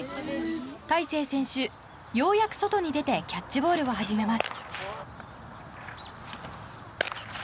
大勢選手、ようやく外に出てキャッチボールを始めます。